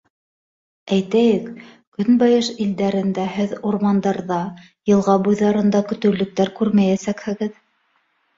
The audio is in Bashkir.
Әйтәйек, Көнбайыш илдәрендә һеҙ урмандарҙа, йылға буйҙарында көтөүлектәр күрмәйәсәкһегеҙ.